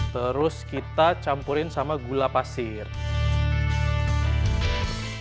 terus kita campurin sama gula pasir